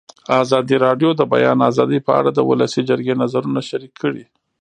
ازادي راډیو د د بیان آزادي په اړه د ولسي جرګې نظرونه شریک کړي.